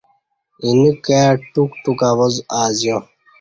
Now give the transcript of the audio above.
اینہ کائ ٹوک ٹوک آواز ازیا